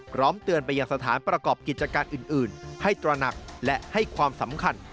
พร้อมเตือนไปยังสถานประกอบกิจการอื่นให้ตระหนักและให้ความสำคัญ